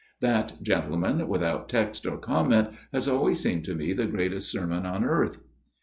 That, gentlemen, without text or comment has always seemed to me the greatest sermon on earth."